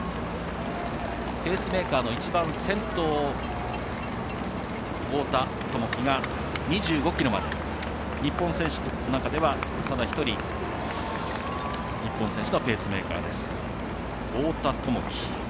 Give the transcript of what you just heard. ペースメーカーの一番、先頭、太田が２５ｋｍまで、日本選手の中ではただ一人、日本人選手のペースメーカーです、太田。